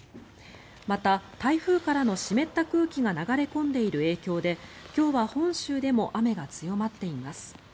また、台風からの湿った空気が流れ込んでいる影響で今日は本州でも雨が強まっています。